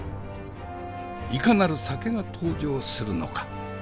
いかなる酒が登場するのか？